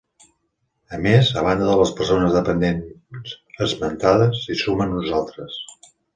A més, a banda de les persones dependents esmentades, s'hi sumen uns altres.